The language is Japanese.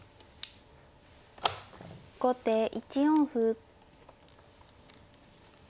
後手１四歩。